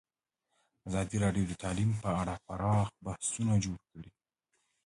ازادي راډیو د تعلیم په اړه پراخ بحثونه جوړ کړي.